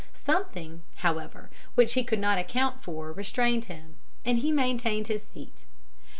Something, however, which he could not account for restrained him, and he maintained his seat.